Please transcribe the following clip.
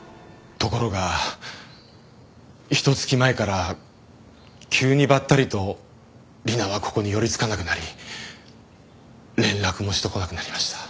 ところがひと月前から急にばったりと理奈はここに寄りつかなくなり連絡もしてこなくなりました。